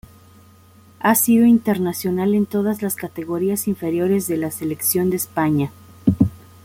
Ha sido internacional en todas las categorías inferiores de la Selección de España.